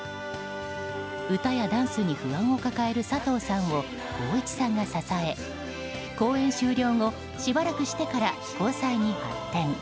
歌やダンスに不安を抱える佐藤さんを光一さんが支え公演終了後しばらくしてから交際に発展。